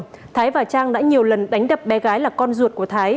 trong thời gian này thái và trang đã nhiều lần đánh đập bé gái là con ruột của thái